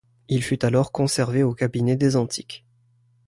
Il fut alors conservé au cabinet des antiques.